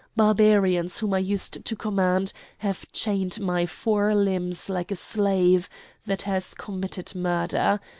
Barbarians whom I used to command have chained my four limbs like a slave that has committed murder.